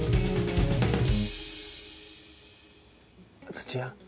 土屋？